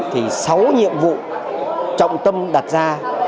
thì sáu nhiệm vụ trọng tâm đặt ra